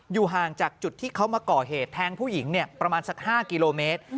ห่างจากจุดที่เขามาก่อเหตุแทงผู้หญิงประมาณสัก๕กิโลเมตร